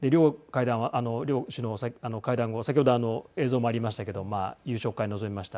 両首脳は会談後先ほど映像もありましたけど夕食会、臨みました。